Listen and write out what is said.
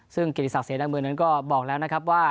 ซึ่งเกรียร์สักเสด็จเมื่อกี้นั้นก็บอกแล้วนะครับว่า